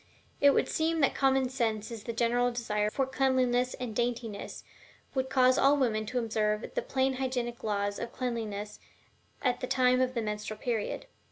It would seem that common sense and the general desire for cleanliness and daintiness would cause all women to observe the plain hygienic laws of Cleanliness at the time of the menstrual period.